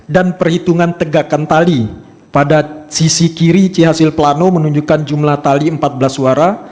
dan perhitungan tegakan tali pada sisi kiri c hasil pelanu menunjukkan jumlah tali empat belas suara